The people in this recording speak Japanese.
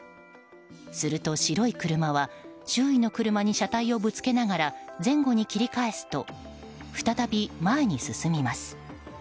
すると白い車は周囲の車に車体をぶつけながら前後に切り返すと再び前に進みます。